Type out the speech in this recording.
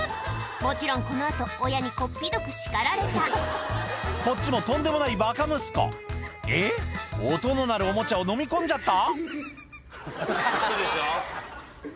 もちろんこの後親にこっぴどく叱られたこっちもとんでもないバカ息子えっ音の鳴るオモチャをのみ込んじゃった？